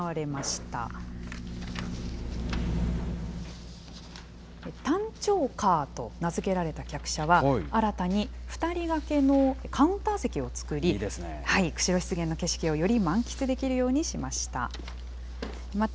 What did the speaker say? たんちょうカーと名付けられた客車は、新たに２人掛けのカウンター席を作り、釧路湿原の景色をより満喫できるようにしました。